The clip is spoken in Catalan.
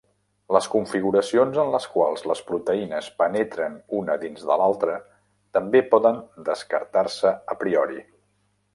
Les configuracions en les quals les proteïnes penetren una dins de l'altra també poden descartar-se "a priori".